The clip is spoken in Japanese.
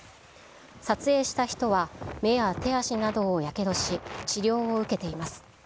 撮影した人は、目や手足などをやけどし、治療を受けています。